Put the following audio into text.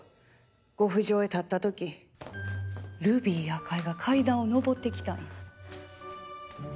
ご不浄へ立った時ルビー赤井が階段を上って来たんや。